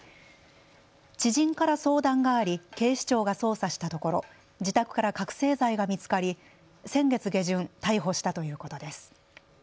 知人から相談があり警視庁が捜査したところ自宅から覚醒剤が見つかり先月下旬、逮捕したということです。